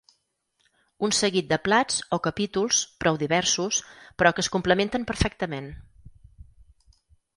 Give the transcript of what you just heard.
Un seguit de plats, o capítols, prou diversos, però que es complementen perfectament.